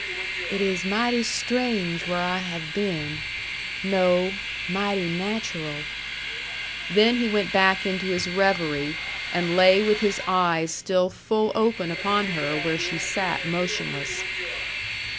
"It is mighty strange where I have been. No. Mighty natural." Then he went back into his revery, and lay with his eyes still full open upon her where she sat motionless.